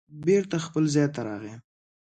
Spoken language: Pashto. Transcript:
بېرته خپل ځای ته راغی